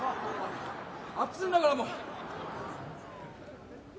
暑いんだからもう。